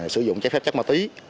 sử dụng trái phép chắc ma tí